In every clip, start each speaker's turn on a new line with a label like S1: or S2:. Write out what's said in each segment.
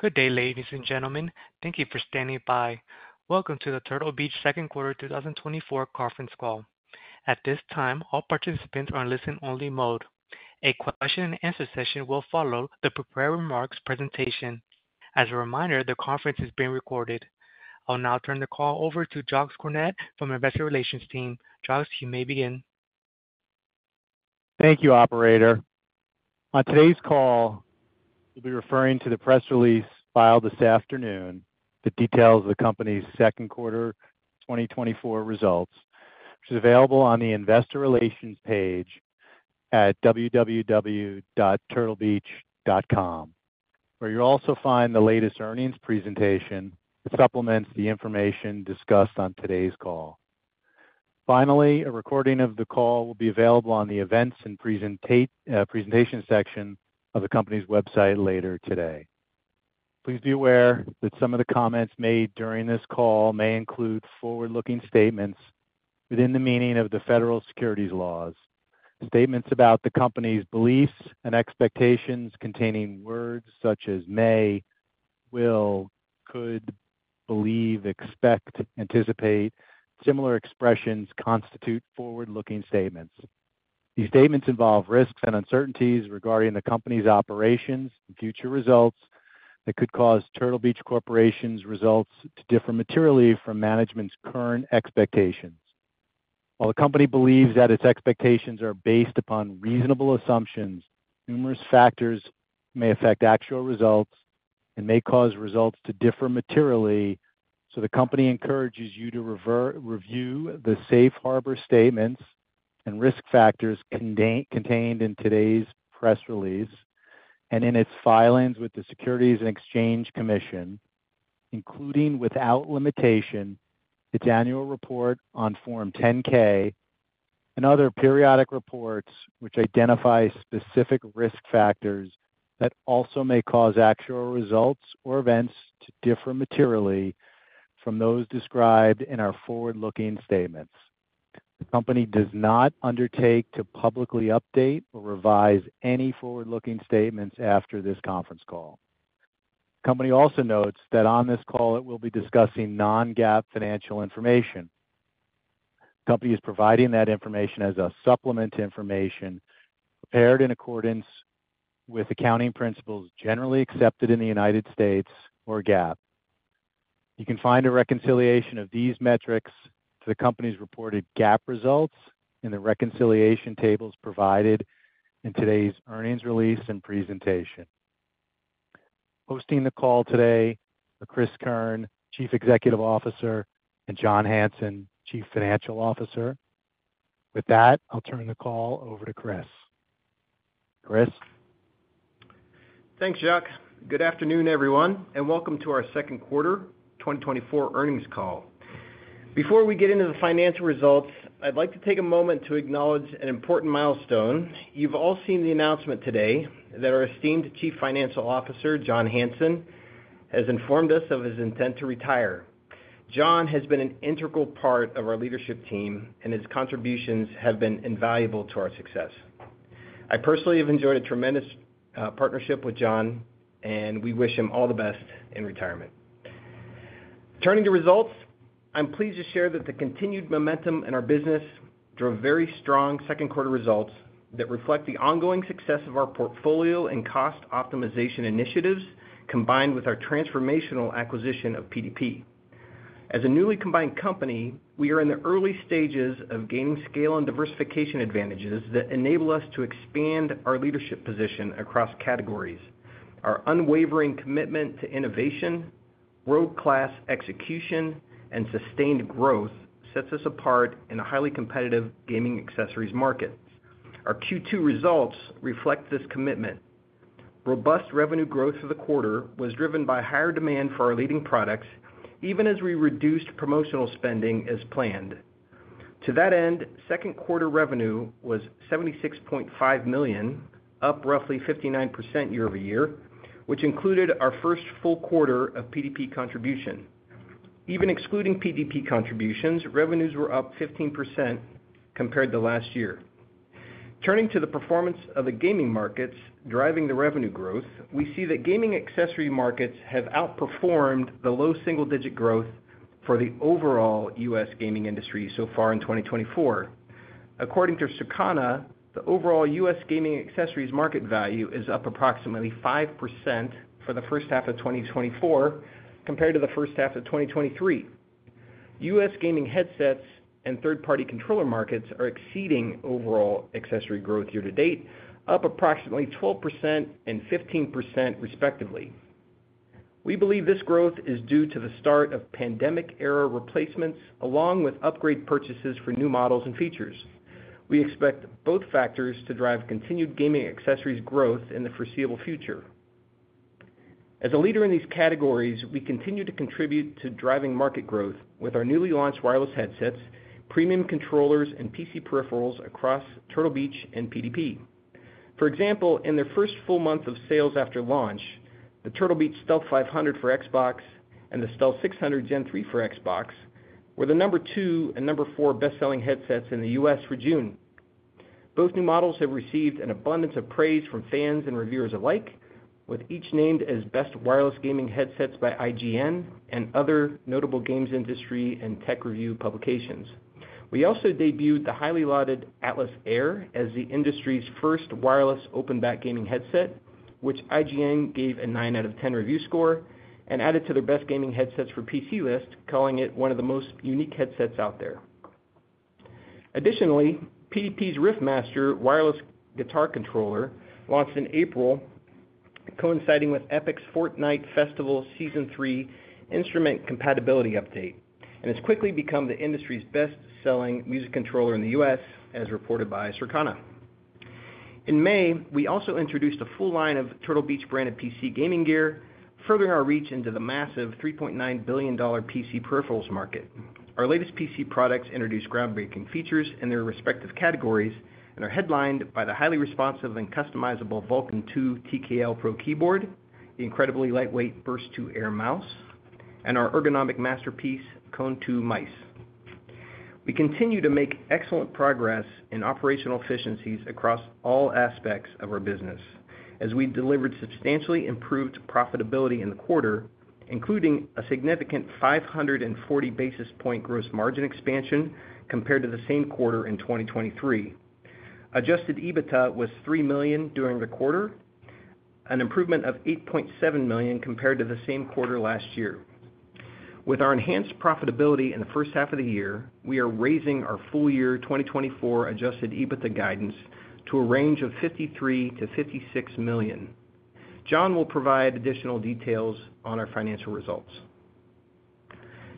S1: Good day, ladies and gentlemen. Thank you for standing by. Welcome to the Turtle Beach second quarter 2024 conference call. At this time, all participants are on listen-only mode. A question-and-answer session will follow the prepared remarks presentation. As a reminder, the conference is being recorded. I'll now turn the call over to Jacques Cornet from Investor Relations team. Jacques, you may begin.
S2: Thank you, operator. On today's call, we'll be referring to the press release filed this afternoon that details the company's second quarter 2024 results, which is available on the Investor Relations page at www.turtlebeach.com, where you'll also find the latest earnings presentation that supplements the information discussed on today's call. Finally, a recording of the call will be available on the Events and Presentation section of the company's website later today. Please be aware that some of the comments made during this call may include forward-looking statements within the meaning of the federal securities laws. Statements about the company's beliefs and expectations containing words such as may, will, could, believe, expect, anticipate, similar expressions constitute forward-looking statements. These statements involve risks and uncertainties regarding the company's operations and future results that could cause Turtle Beach Corporation's results to differ materially from management's current expectations. While the company believes that its expectations are based upon reasonable assumptions, numerous factors may affect actual results and may cause results to differ materially, so the company encourages you to review the safe harbor statements and risk factors contained in today's press release and in its filings with the Securities and Exchange Commission, including, without limitation, its annual report on Form 10-K and other periodic reports, which identify specific risk factors that also may cause actual results or events to differ materially from those described in our forward-looking statements. The company does not undertake to publicly update or revise any forward-looking statements after this conference call. The company also notes that on this call, it will be discussing non-GAAP financial information. The company is providing that information as a supplement to information prepared in accordance with accounting principles generally accepted in the United States or GAAP. You can find a reconciliation of these metrics to the company's reported GAAP results in the reconciliation tables provided in today's earnings release and presentation. Hosting the call today are Cris Keirn, Chief Executive Officer, and John Hanson, Chief Financial Officer. With that, I'll turn the call over to Cris. Cris?
S3: Thanks, Jacques. Good afternoon, everyone, and welcome to our second quarter 2024 earnings call. Before we get into the financial results, I'd like to take a moment to acknowledge an important milestone. You've all seen the announcement today that our esteemed Chief Financial Officer, John Hanson, has informed us of his intent to retire. John has been an integral part of our leadership team, and his contributions have been invaluable to our success. I personally have enjoyed a tremendous partnership with John, and we wish him all the best in retirement. Turning to results, I'm pleased to share that the continued momentum in our business drove very strong second quarter results that reflect the ongoing success of our portfolio and cost optimization initiatives, combined with our transformational acquisition of PDP. As a newly combined company, we are in the early stages of gaining scale and diversification advantages that enable us to expand our leadership position across categories. Our unwavering commitment to innovation, world-class execution, and sustained growth sets us apart in a highly competitive gaming accessories market. Our Q2 results reflect this commitment. Robust revenue growth for the quarter was driven by higher demand for our leading products, even as we reduced promotional spending as planned. To that end, second quarter revenue was $76.5 million, up roughly 59% year-over-year, which included our first full quarter of PDP contribution. Even excluding PDP contributions, revenues were up 15% compared to last year. Turning to the performance of the gaming markets driving the revenue growth, we see that gaming accessory markets have outperformed the low single-digit growth for the overall U.S. gaming industry so far in 2024. According to Circana, the overall U.S. gaming accessories market value is up approximately 5% for the first half of 2024 compared to the first half of 2023. U.S. gaming headsets and third-party controller markets are exceeding overall accessory growth year to date, up approximately 12% and 15% respectively. We believe this growth is due to the start of pandemic-era replacements, along with upgrade purchases for new models and features. We expect both factors to drive continued gaming accessories growth in the foreseeable future. As a leader in these categories, we continue to contribute to driving market growth with our newly launched wireless headsets, premium controllers, and PC peripherals across Turtle Beach and PDP. For example, in their first full month of sales after launch, the Turtle Beach Stealth 500 for Xbox and the Stealth 600 Gen 3 for Xbox were the number two and number four best-selling headsets in the U.S. for June. Both new models have received an abundance of praise from fans and reviewers alike, with each named as best wireless gaming headsets by IGN and other notable games industry and tech review publications. We also debuted the highly lauded Atlas Air as the industry's first wireless open-back gaming headset, which IGN gave a nine out of 10 review score and added to their best gaming headsets for PC list, calling it one of the most unique headsets out there. Additionally, PDP's RIFFMASTER wireless guitar controller launched in April, coinciding with Epic's Fortnite Festival Season Three instrument compatibility update, and has quickly become the industry's best-selling music controller in the U.S., as reported by Circana. In May, we also introduced a full line of Turtle Beach branded PC gaming gear, furthering our reach into the massive $3.9 billion PC peripherals market. Our latest PC products introduce groundbreaking features in their respective categories and are headlined by the highly responsive and customizable Vulcan II TKL Pro keyboard, the incredibly lightweight Burst II Air Mouse, and our ergonomic masterpiece, Kone II mouse. We continue to make excellent progress in operational efficiencies across all aspects of our business as we delivered substantially improved profitability in the quarter, including a significant 540 basis point gross margin expansion compared to the same quarter in 2023. Adjusted EBITDA was $3 million during the quarter, an improvement of $8.7 million compared to the same quarter last year. With our enhanced profitability in the first half of the year, we are raising our full year 2024 adjusted EBITDA guidance to a range of $53 million-$56 million. John will provide additional details on our financial results.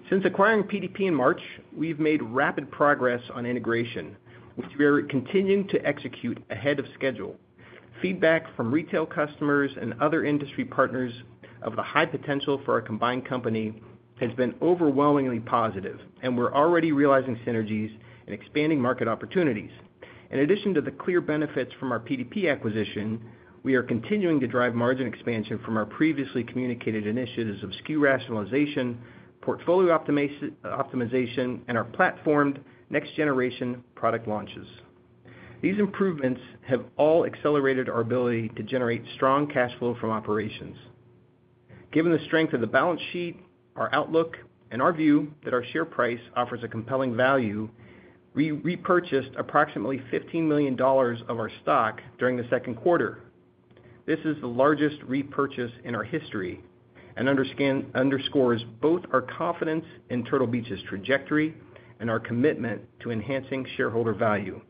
S3: Since acquiring PDP in March, we've made rapid progress on integration, which we are continuing to execute ahead of schedule. Feedback from retail customers and other industry partners of the high potential for our combined company has been overwhelmingly positive, and we're already realizing synergies and expanding market opportunities. In addition to the clear benefits from our PDP acquisition, we are continuing to drive margin expansion from our previously communicated initiatives of SKU rationalization, portfolio optimization, and our platformed next generation product launches. These improvements have all accelerated our ability to generate strong cash flow from operations. Given the strength of the balance sheet, our outlook, and our view that our share price offers a compelling value, we repurchased approximately $15 million of our stock during the second quarter. This is the largest repurchase in our history and underscores both our confidence in Turtle Beach's trajectory and our commitment to enhancing shareholder value.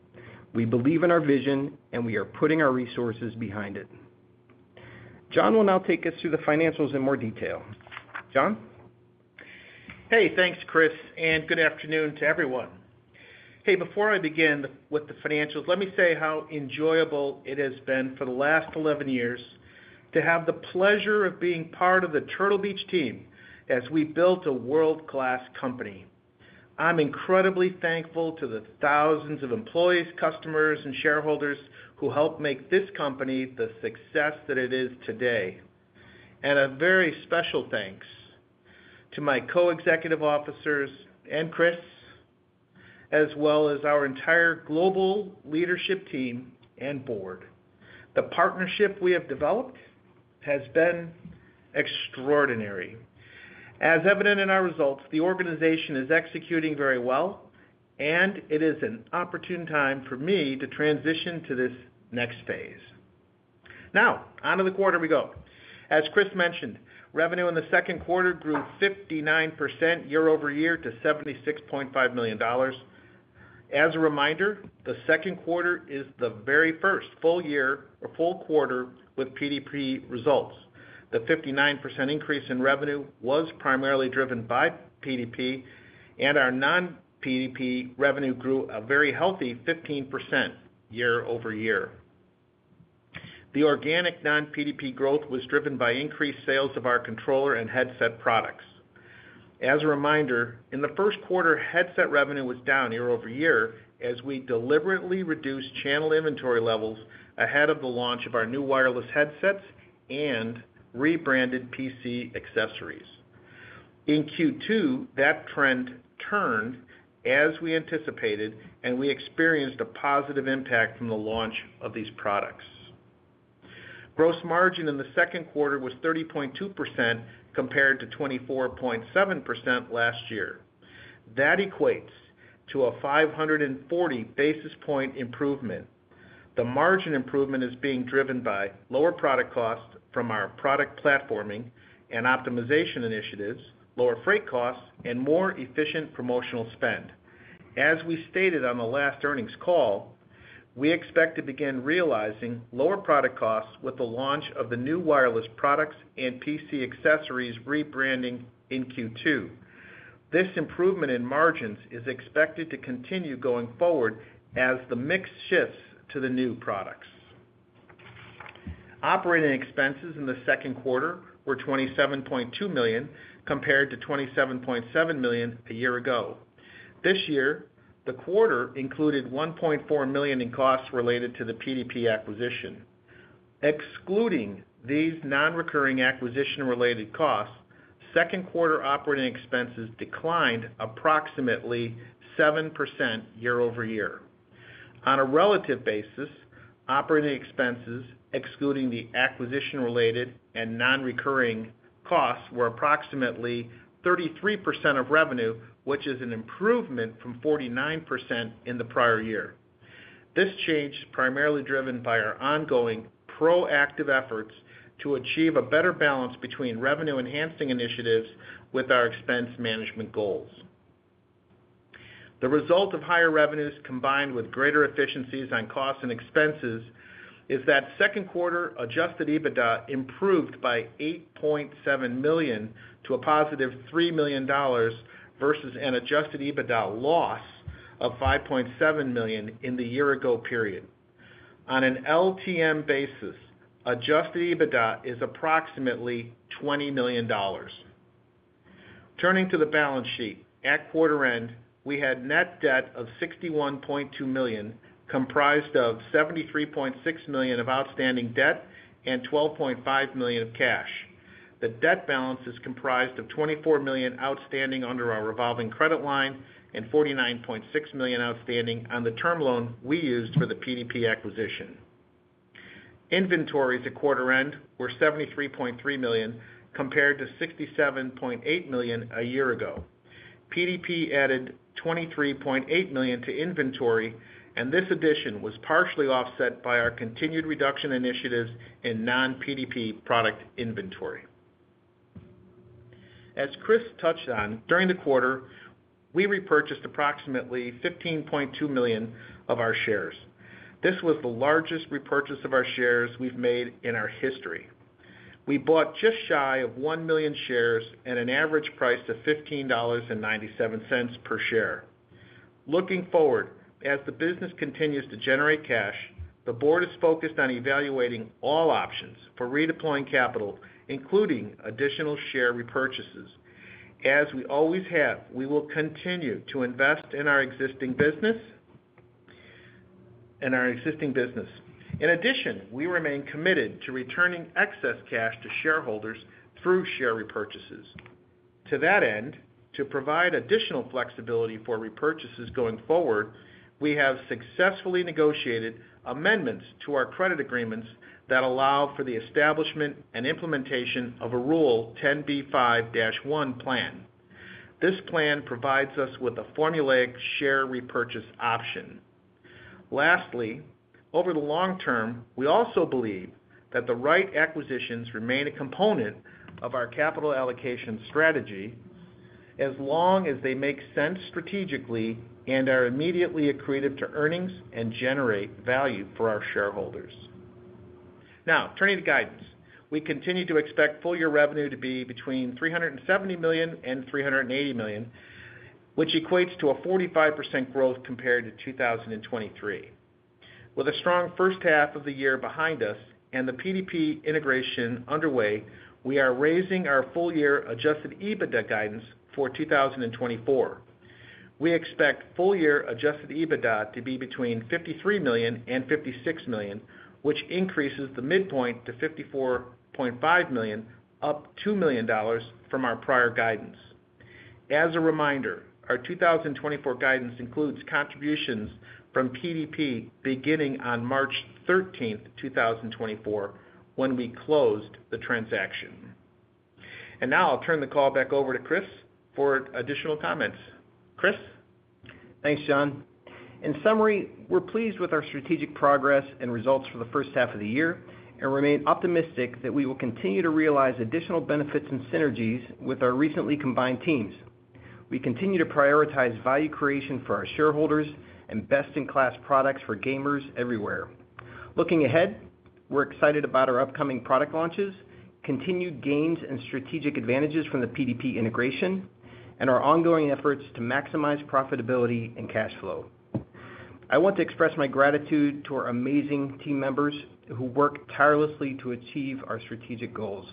S3: We believe in our vision, and we are putting our resources behind it. John will now take us through the financials in more detail. John?
S4: Hey, thanks, Cris, and good afternoon to everyone. Hey, before I begin with the financials, let me say how enjoyable it has been for the last 11 years to have the pleasure of being part of the Turtle Beach team as we built a world-class company. I'm incredibly thankful to the thousands of employees, customers, and shareholders who helped make this company the success that it is today. And a very special thanks to my co-executive officers and Cris, as well as our entire global leadership team and board. The partnership we have developed has been extraordinary. As evident in our results, the organization is executing very well, and it is an opportune time for me to transition to this next phase. Now, onto the quarter we go. As Cris mentioned, revenue in the second quarter grew 59% year-over-year to $76.5 million. As a reminder, the second quarter is the very first full year, or full quarter with PDP results. The 59% increase in revenue was primarily driven by PDP, and our non-PDP revenue grew a very healthy 15% year-over-year. The organic non-PDP growth was driven by increased sales of our controller and headset products. As a reminder, in the first quarter, headset revenue was down year-over-year as we deliberately reduced channel inventory levels ahead of the launch of our new wireless headsets and rebranded PC accessories. In Q2, that trend turned, as we anticipated, and we experienced a positive impact from the launch of these products. Gross margin in the second quarter was 30.2%, compared to 24.7% last year. That equates to a 540 basis point improvement. The margin improvement is being driven by lower product costs from our product platforming and optimization initiatives, lower freight costs, and more efficient promotional spend. As we stated on the last earnings call, we expect to begin realizing lower product costs with the launch of the new wireless products and PC accessories rebranding in Q2. This improvement in margins is expected to continue going forward as the mix shifts to the new products. Operating expenses in the second quarter were $27.2 million, compared to $27.7 million a year ago. This year, the quarter included $1.4 million in costs related to the PDP acquisition. Excluding these non-recurring acquisition-related costs, second quarter operating expenses declined approximately 7% year-over-year. On a relative basis, operating expenses, excluding the acquisition-related and non-recurring costs, were approximately 33% of revenue, which is an improvement from 49% in the prior year. This change is primarily driven by our ongoing proactive efforts to achieve a better balance between revenue-enhancing initiatives with our expense management goals. The result of higher revenues, combined with greater efficiencies on costs and expenses, is that second quarter Adjusted EBITDA improved by $8.7 million to a positive $3 million versus an Adjusted EBITDA loss of $5.7 million in the year ago period. On an LTM basis, Adjusted EBITDA is approximately $20 million. Turning to the balance sheet. At quarter end, we had net debt of $61.2 million, comprised of $73.6 million of outstanding debt and $12.5 million of cash. The debt balance is comprised of $24 million outstanding under our revolving credit line and $49.6 million outstanding on the term loan we used for the PDP acquisition. Inventories at quarter end were $73.3 million, compared to $67.8 million a year ago. PDP added $23.8 million to inventory, and this addition was partially offset by our continued reduction initiatives in non-PDP product inventory. As Cris touched on, during the quarter, we repurchased approximately $15.2 million of our shares. This was the largest repurchase of our shares we've made in our history. We bought just shy of 1 million shares at an average price of $15.97 per share. Looking forward, as the business continues to generate cash, the board is focused on evaluating all options for redeploying capital, including additional share repurchases. As we always have, we will continue to invest in our existing business, in our existing business. In addition, we remain committed to returning excess cash to shareholders through share repurchases. To that end, to provide additional flexibility for repurchases going forward, we have successfully negotiated amendments to our credit agreements that allow for the establishment and implementation of a Rule 10b5-1 plan. This plan provides us with a formulaic share repurchase option. Lastly, over the long term, we also believe that the right acquisitions remain a component of our capital allocation strategy as long as they make sense strategically and are immediately accretive to earnings and generate value for our shareholders. Now, turning to guidance. We continue to expect full year revenue to be between $370 million and $380 million, which equates to 45% growth compared to 2023. With a strong first half of the year behind us and the PDP integration underway, we are raising our full year adjusted EBITDA guidance for 2024. We expect full year adjusted EBITDA to be between $53 million and $56 million, which increases the midpoint to $54.5 million, up $2 million from our prior guidance. As a reminder, our 2024 guidance includes contributions from PDP beginning on March 13, 2024, when we closed the transaction. Now I'll turn the call back over to Cris for additional comments. Cris?
S3: Thanks, John. In summary, we're pleased with our strategic progress and results for the first half of the year and remain optimistic that we will continue to realize additional benefits and synergies with our recently combined teams. We continue to prioritize value creation for our shareholders and best-in-class products for gamers everywhere. Looking ahead, we're excited about our upcoming product launches, continued gains and strategic advantages from the PDP integration, and our ongoing efforts to maximize profitability and cash flow. I want to express my gratitude to our amazing team members who work tirelessly to achieve our strategic goals.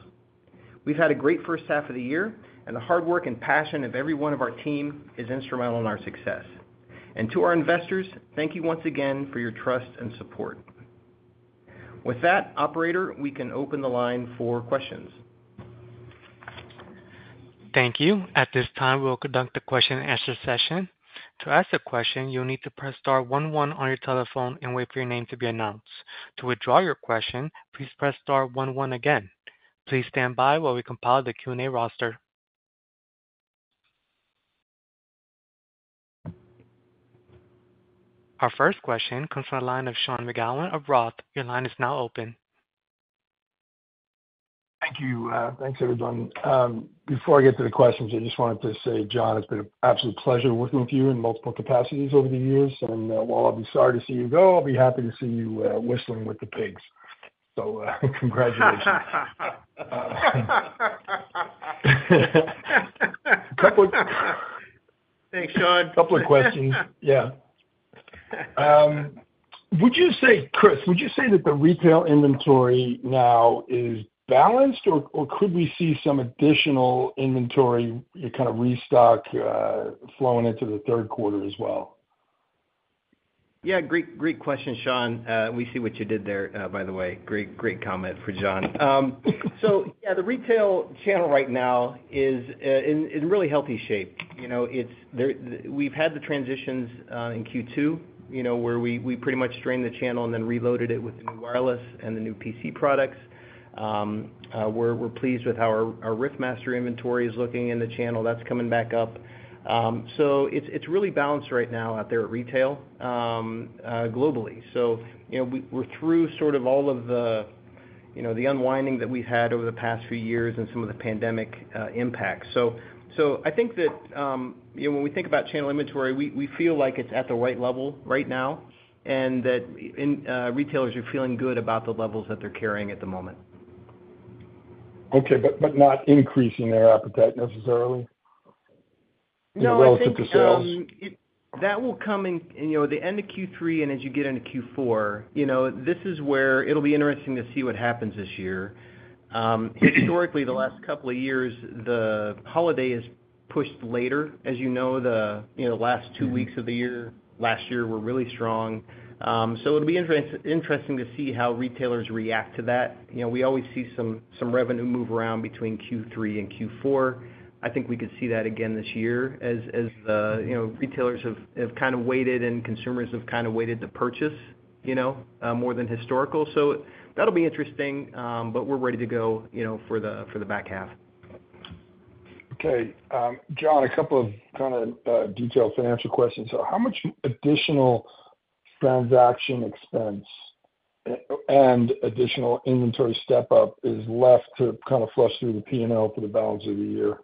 S3: We've had a great first half of the year, and the hard work and passion of every one of our team is instrumental in our success. And to our investors, thank you once again for your trust and support. With that, operator, we can open the line for questions.
S1: Thank you. At this time, we will conduct a question-and-answer session. To ask a question, you'll need to press star one one on your telephone and wait for your name to be announced. To withdraw your question, please press star one one again. Please stand by while we compile the Q&A roster. Our first question comes from the line of Sean McGowan of Roth. Your line is now open.
S5: Thank you. Thanks, everyone. Before I get to the questions, I just wanted to say, John, it's been an absolute pleasure working with you in multiple capacities over the years, and while I'll be sorry to see you go, I'll be happy to see you wrestling with the pigs. So, congratulations. Couple of-
S4: Thanks, Sean.
S5: Couple of questions. Yeah. Would you say—Cris, would you say that the retail inventory now is balanced, or, or could we see some additional inventory kind of restock flowing into the third quarter as well?...
S3: Yeah, great, great question, Sean. We see what you did there, by the way. Great, great comment for John. So yeah, the retail channel right now is in really healthy shape. You know, we've had the transitions in Q2, you know, where we pretty much drained the channel and then reloaded it with the new wireless and the new PC products. We're pleased with how our Riffmaster inventory is looking in the channel. That's coming back up. So it's really balanced right now out there at retail globally. So, you know, we're through sort of all of the, you know, the unwinding that we've had over the past few years and some of the pandemic impacts. So, I think that, you know, when we think about channel inventory, we feel like it's at the right level right now, and that retailers are feeling good about the levels that they're carrying at the moment.
S5: Okay, but not increasing their appetite necessarily-
S3: No, I think,
S5: relative to sales?
S3: That will come in, you know, the end of Q3, and as you get into Q4. You know, this is where it'll be interesting to see what happens this year. Historically, the last couple of years, the holiday is pushed later. As you know, the, you know, last two weeks of the year, last year were really strong. So it'll be interesting to see how retailers react to that. You know, we always see some revenue move around between Q3 and Q4. I think we could see that again this year as, you know, retailers have kind of waited and consumers have kind of waited to purchase, you know, more than historical. So that'll be interesting, but we're ready to go, you know, for the back half.
S5: Okay. John, a couple of kind of detailed financial questions. So how much additional transaction expense and additional inventory step-up is left to kind of flush through the P&L for the balance of the year?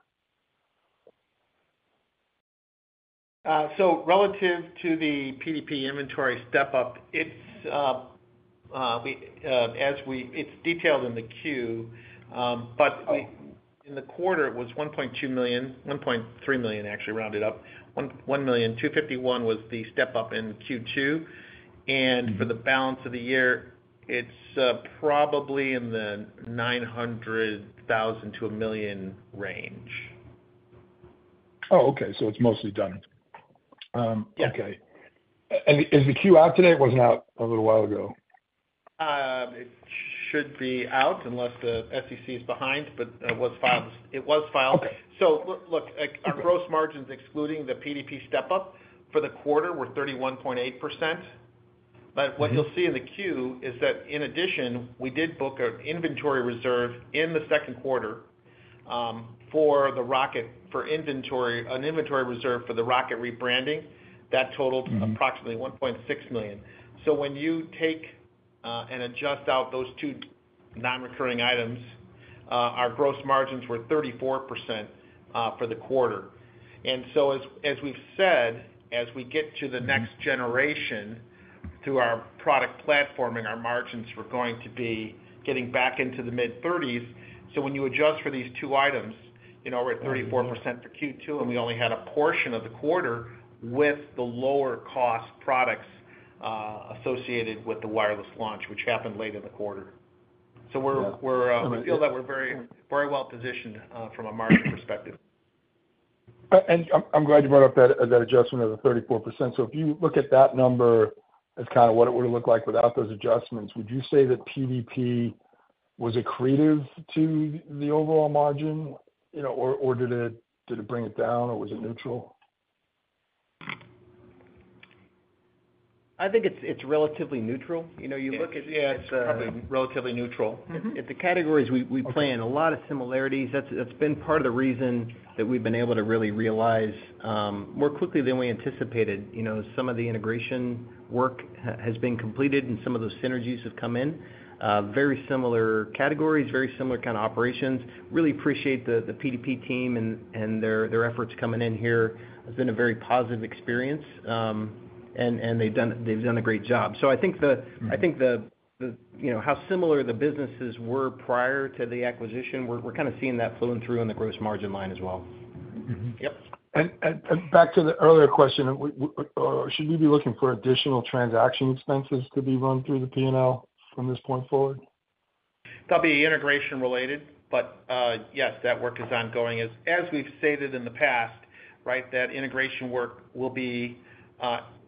S4: So relative to the PDP inventory step-up, it's detailed in the Q, but we-
S5: Oh.
S4: In the quarter, it was $1.2 million, $1.3 million, actually, rounded up. $1,251,000 was the step-up in Q2.
S5: Mm-hmm.
S4: For the balance of the year, it's probably in the $900,000-$1 million range.
S5: Oh, okay. So it's mostly done?
S4: Yeah.
S5: Okay. Is the Q out today? It was out a little while ago.
S4: It should be out unless the SEC is behind, but it was filed. It was filed.
S5: Okay.
S4: Look, like, our gross margins, excluding the PDP step-up for the quarter, were 31.8%.
S5: Mm-hmm.
S4: But what you'll see in the Q is that in addition, we did book an inventory reserve in the second quarter for the ROCCAT rebranding. That totaled-
S5: Mm-hmm...
S4: approximately $1.6 million. So when you take and adjust out those two non-recurring items, our gross margins were 34%, for the quarter. And so as we've said, as we get to the next generation-
S5: Mm-hmm
S4: Through our product platform and our margins, we're going to be getting back into the mid-30s. So when you adjust for these two items, you know, we're at 34% for Q2, and we only had a portion of the quarter with the lower cost products associated with the wireless launch, which happened late in the quarter.
S5: Yeah.
S4: So we're
S5: Understood.
S4: We feel that we're very, very well positioned from a margin perspective.
S5: I'm glad you brought up that adjustment of the 34%. So if you look at that number as kind of what it would look like without those adjustments, would you say that PDP was accretive to the overall margin, you know, or did it bring it down, or was it neutral?
S3: I think it's relatively neutral. You know, you look at-
S4: Yeah, it's probably relatively neutral. Mm-hmm.
S3: The categories we play in-
S5: Okay...
S3: a lot of similarities. That's, that's been part of the reason that we've been able to really realize more quickly than we anticipated. You know, some of the integration work has been completed, and some of those synergies have come in. Very similar categories, very similar kind of operations. Really appreciate the, the PDP team and, and their, their efforts coming in here. It's been a very positive experience, and they've done, they've done a great job. So I think the-
S5: Mm-hmm...
S3: I think the, you know, how similar the businesses were prior to the acquisition, we're kind of seeing that flowing through on the gross margin line as well.
S5: Mm-hmm.
S3: Yep.
S5: Back to the earlier question, should we be looking for additional transaction expenses to be run through the P&L from this point forward?
S4: That'd be integration related, but yes, that work is ongoing. As we've stated in the past, right, that integration work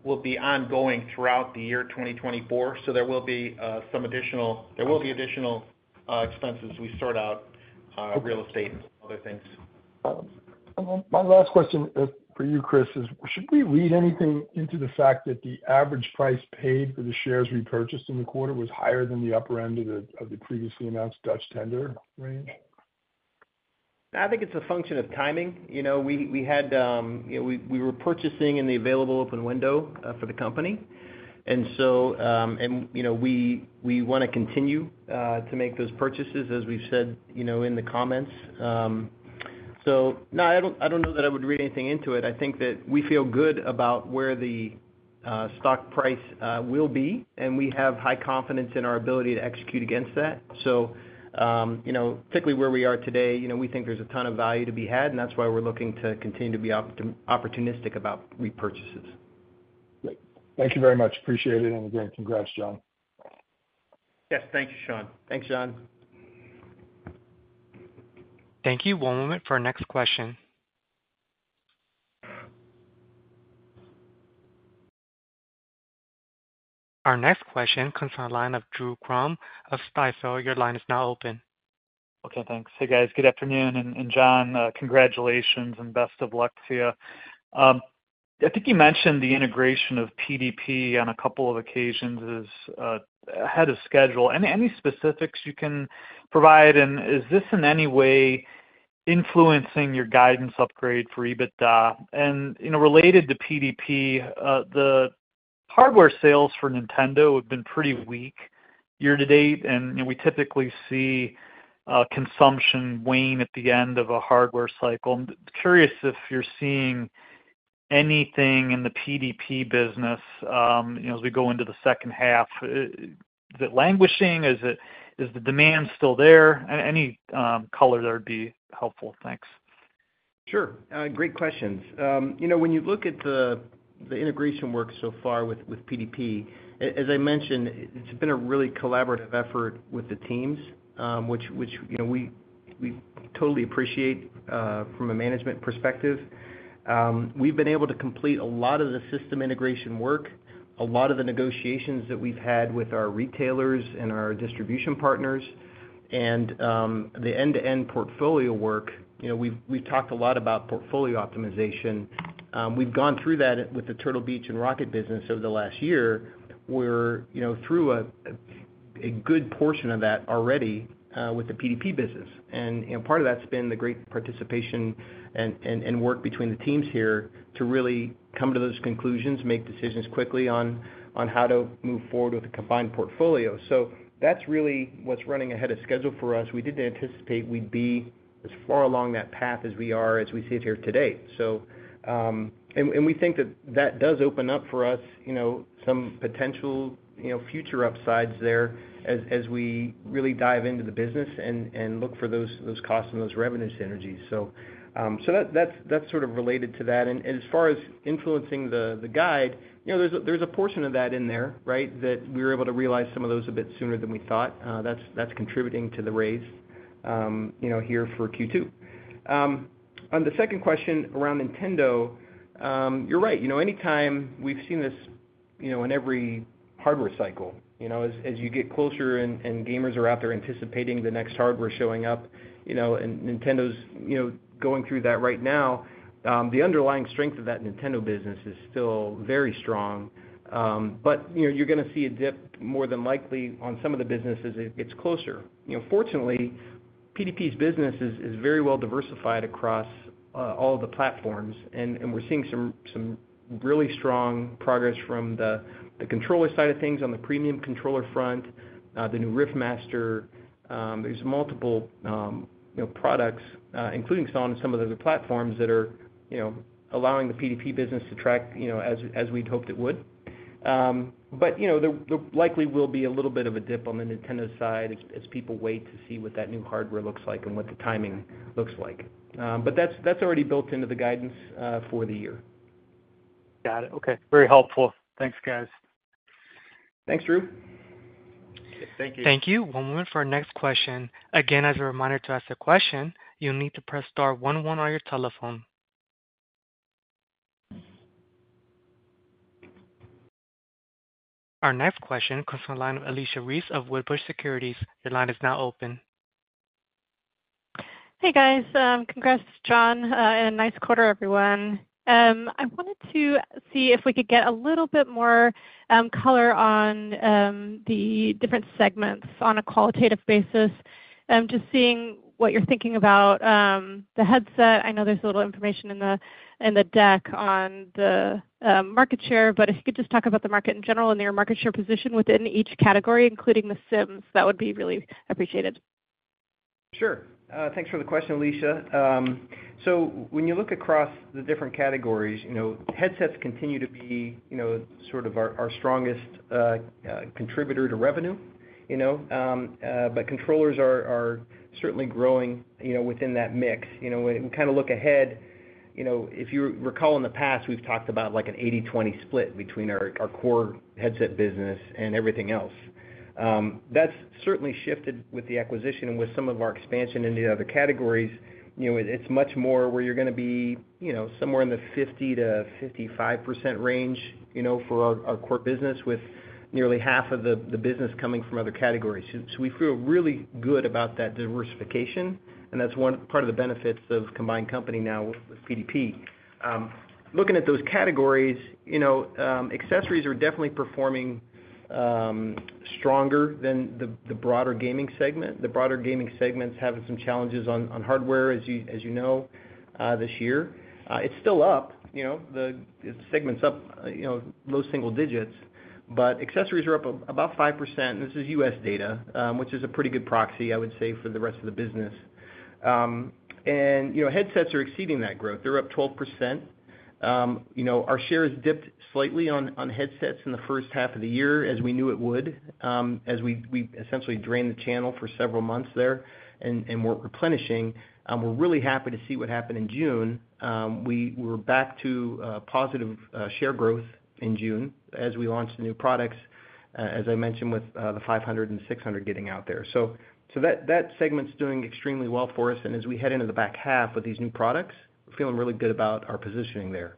S4: will be ongoing throughout the year 2024. So there will be additional expenses as we sort out real estate and other things.
S5: My last question for you, Cris, is: Should we read anything into the fact that the average price paid for the shares repurchased in the quarter was higher than the upper end of the previously announced Dutch tender range?
S3: I think it's a function of timing. You know, we had... You know, we were purchasing in the available open window for the company. And so, and, you know, we want to continue to make those purchases, as we've said, you know, in the comments. So no, I don't know that I would read anything into it. I think that we feel good about where the stock price will be, and we have high confidence in our ability to execute against that. So, you know, particularly where we are today, you know, we think there's a ton of value to be had, and that's why we're looking to continue to be opportunistic about repurchases.
S5: Great. Thank you very much. Appreciate it, and again, congrats, John.
S4: Yes, thank you, Sean. Thanks, John.
S1: Thank you. One moment for our next question. Our next question comes on the line of Drew Crum of Stifel. Your line is now open.
S6: Okay, thanks. Hey, guys. Good afternoon, and John, congratulations and best of luck to you. I think you mentioned the integration of PDP on a couple of occasions is ahead of schedule. Any specifics you can provide, and is this in any way influencing your guidance upgrade for EBITDA? And, you know, related to PDP, the hardware sales for Nintendo have been pretty weak year to date, and, you know, we typically see consumption wane at the end of a hardware cycle. I'm curious if you're seeing anything in the PDP business, you know, as we go into the second half. Is it languishing? Is the demand still there? Any color there would be helpful. Thanks.
S3: Sure. Great questions. You know, when you look at the integration work so far with PDP, as I mentioned, it's been a really collaborative effort with the teams, which you know we totally appreciate from a management perspective. We've been able to complete a lot of the system integration work, a lot of the negotiations that we've had with our retailers and our distribution partners, and the end-to-end portfolio work. You know, we've talked a lot about portfolio optimization. We've gone through that with the Turtle Beach and ROCCAT business over the last year, where you know through a good portion of that already with the PDP business. And, you know, part of that's been the great participation and work between the teams here to really come to those conclusions, make decisions quickly on how to move forward with a combined portfolio. So that's really what's running ahead of schedule for us. We didn't anticipate we'd be as far along that path as we are, as we sit here today. And we think that that does open up for us, you know, some potential, you know, future upsides there as we really dive into the business and look for those costs and those revenue synergies. So, so that's sort of related to that. And as far as influencing the guide, you know, there's a portion of that in there, right? That we were able to realize some of those a bit sooner than we thought. That's, that's contributing to the raise, you know, here for Q2. On the second question around Nintendo, you're right. You know, anytime we've seen this, you know, in every hardware cycle, you know, as, as you get closer and, and gamers are out there anticipating the next hardware showing up, you know, and Nintendo's, you know, going through that right now, the underlying strength of that Nintendo business is still very strong. But, you know, you're gonna see a dip more than likely on some of the businesses as it gets closer. You know, fortunately, PDP's business is very well diversified across all of the platforms, and we're seeing some really strong progress from the controller side of things on the premium controller front, the new Riffmaster. You know, there's multiple products, including some on some of the other platforms that are you know, allowing the PDP business to track you know, as we'd hoped it would. But you know, there likely will be a little bit of a dip on the Nintendo side as people wait to see what that new hardware looks like and what the timing looks like. But that's already built into the guidance for the year.
S6: Got it. Okay. Very helpful. Thanks, guys.
S3: Thanks, Drew.
S6: Thank you.
S1: Thank you. One moment for our next question. Again, as a reminder, to ask a question, you'll need to press star one one on your telephone. Our next question comes from the line of Alicia Reece of Wedbush Securities. Your line is now open.
S7: Hey, guys. Congrats, John, and nice quarter, everyone. I wanted to see if we could get a little bit more color on the different segments on a qualitative basis. Just seeing what you're thinking about the headset. I know there's a little information in the deck on the market share, but if you could just talk about the market in general and your market share position within each category, including the sims, that would be really appreciated.
S3: Sure. Thanks for the question, Alicia. So when you look across the different categories, you know, headsets continue to be, you know, sort of our, our strongest contributor to revenue, you know. But controllers are, are certainly growing, you know, within that mix. You know, when we kind of look ahead, you know, if you recall in the past, we've talked about like an 80/20 split between our, our core headset business and everything else. That's certainly shifted with the acquisition and with some of our expansion into the other categories. You know, it's much more where you're gonna be, you know, somewhere in the 50%-55% range, you know, for our, our core business, with nearly half of the, the business coming from other categories. So, so we feel really good about that diversification, and that's one part of the benefits of combined company now with PDP. Looking at those categories, you know, accessories are definitely performing stronger than the broader gaming segment. The broader gaming segment's having some challenges on hardware, as you know, this year. It's still up. You know, the segment's up, you know, low single digits, but accessories are up about 5%, and this is US data, which is a pretty good proxy, I would say, for the rest of the business. And, you know, headsets are exceeding that growth. They're up 12%. You know, our shares dipped slightly on headsets in the first half of the year, as we knew it would, as we essentially drained the channel for several months there and we're replenishing. We're really happy to see what happened in June. We were back to positive share growth in June as we launched the new products, as I mentioned, with the 500 and 600 getting out there. So that segment's doing extremely well for us, and as we head into the back half with these new products, feeling really good about our positioning there.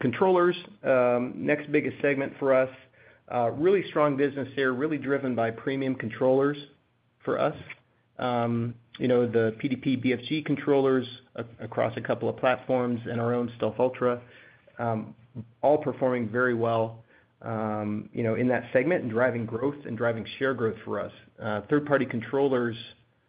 S3: Controllers, next biggest segment for us, really strong business there, really driven by premium controllers for us. You know, the PDP BFG controllers across a couple of platforms and our own Stealth Ultra, all performing very well, you know, in that segment and driving growth and driving share growth for us. Third-party controllers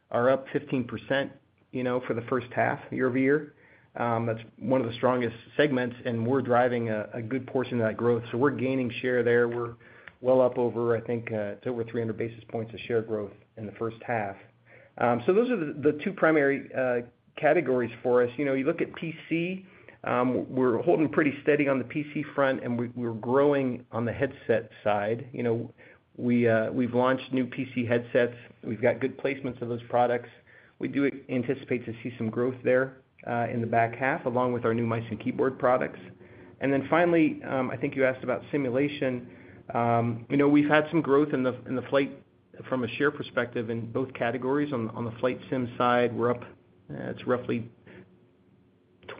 S3: are up 15%, you know, for the first half year-over-year. That's one of the strongest segments, and we're driving a good portion of that growth. So we're gaining share there. We're well up over, I think, it's over 300 basis points of share growth in the first half. So those are the two primary categories for us. You know, you look at PC, we're holding pretty steady on the PC front, and we're growing on the headset side. You know, we, we've launched new PC headsets. We've got good placements of those products. We do anticipate to see some growth there in the back half, along with our new mice and keyboard products. Then finally, I think you asked about simulation. You know, we've had some growth in the flight from a share perspective in both categories. On the flight sim side, we're up. It's roughly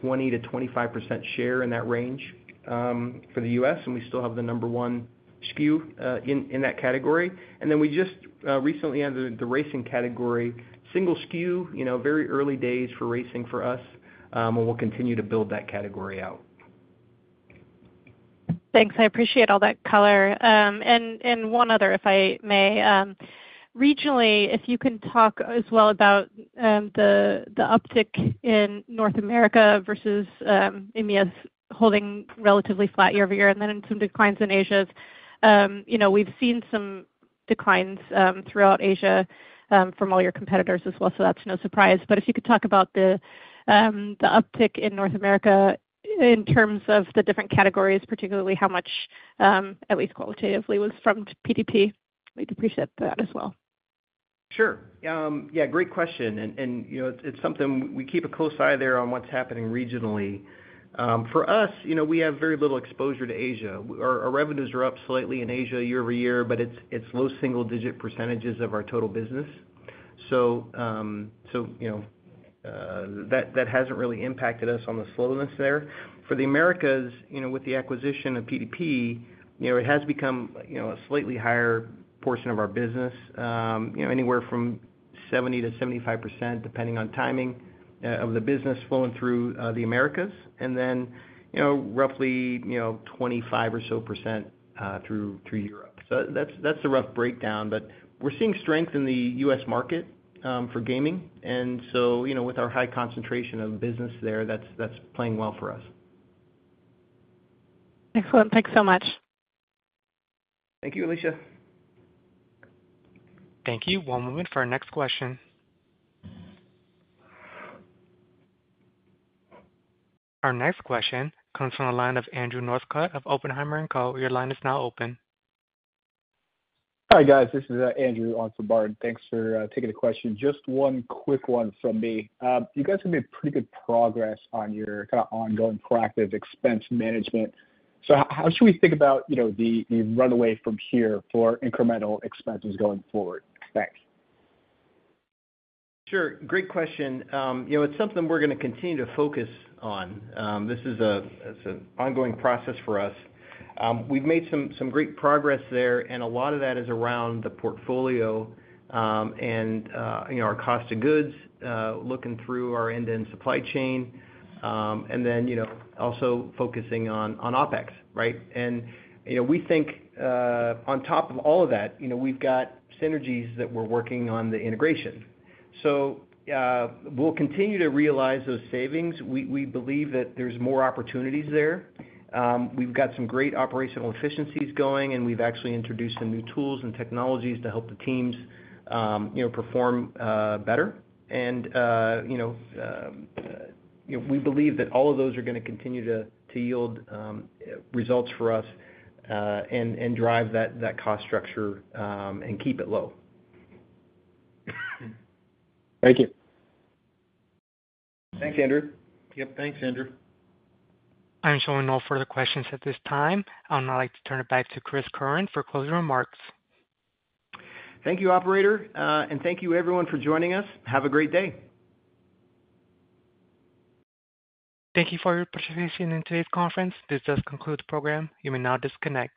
S3: 20%-25% share, in that range, for the U.S., and we still have the number one SKU in that category. Then we just recently entered the racing category. Single SKU, you know, very early days for racing for us, and we'll continue to build that category out.
S7: Thanks. I appreciate all that color. And one other, if I may. Regionally, if you can talk as well about the uptick in North America versus EMEA holding relatively flat year-over-year, and then in some declines in Asia. You know, we've seen some declines throughout Asia from all your competitors as well, so that's no surprise. But if you could talk about the uptick in North America in terms of the different categories, particularly how much, at least qualitatively, was from PDP. We'd appreciate that as well.
S3: Sure. Yeah, great question, and, you know, it's something we keep a close eye there on what's happening regionally. For us, you know, we have very little exposure to Asia. Our revenues are up slightly in Asia year-over-year, but it's low single-digit percentages of our total business. So, you know, that hasn't really impacted us on the slowness there. For the Americas, you know, with the acquisition of PDP, you know, it has become a slightly higher portion of our business, you know, anywhere from 70%-75%, depending on timing, of the business flowing through the Americas, and then, you know, roughly 25% or so through Europe. So that's the rough breakdown, but we're seeing strength in the US market for gaming. You know, with our high concentration of business there, that's, that's playing well for us.
S7: Excellent. Thanks so much.
S3: Thank you, Alicia.
S1: Thank you. One moment for our next question. Our next question comes from the line of Andrew Northcutt of Oppenheimer & Co. Your line is now open.
S8: Hi, guys. This is Andrew Northcutt. Thanks for taking the question. Just one quick one from me. You guys have made pretty good progress on your kind of ongoing proactive expense management. So how should we think about, you know, the run rate from here for incremental expenses going forward? Thanks.
S3: Sure, great question. You know, it's something we're gonna continue to focus on. This is an ongoing process for us. We've made some great progress there, and a lot of that is around the portfolio, and, you know, our cost of goods, looking through our end-to-end supply chain, and then, you know, also focusing on OpEx, right? You know, we think, on top of all of that, you know, we've got synergies that we're working on the integration. We'll continue to realize those savings. We believe that there's more opportunities there. We've got some great operational efficiencies going, and we've actually introduced some new tools and technologies to help the teams, you know, perform better. You know, we believe that all of those are gonna continue to yield results for us, and drive that cost structure, and keep it low.
S8: Thank you.
S3: Thanks, Andrew.
S6: Yep, thanks, Andrew.
S1: I'm showing no further questions at this time. I would now like to turn it back to Cris keirn for closing remarks.
S3: Thank you, operator. Thank you everyone for joining us. Have a great day.
S1: Thank you for your participation in today's conference. This does conclude the program. You may now disconnect.